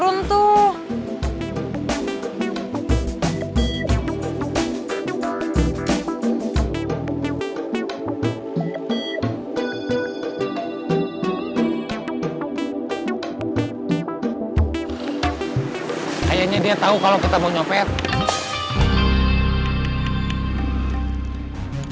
uang buah yang harus disudah kamu kasih